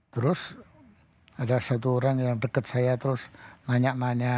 terus ada satu orang yang dekat saya terus nanya nanya